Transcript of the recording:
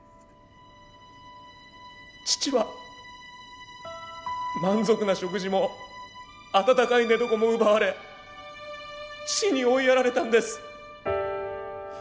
父は満足な食事も温かい寝床も奪われ死に追いやられたんです。